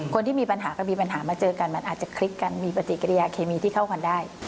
คนที่มีปัญหาก็มีปัญหามาเจอกันมันอาจจะคลิกกันมีปฏิกิริยาเคมีที่เข้ากันได้